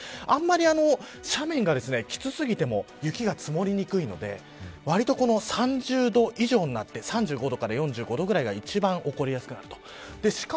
あまり斜面がきつすぎても雪が積もりにくいのでわりと３０度以上３５度から４５度以上というのが一番起こりやすくなります。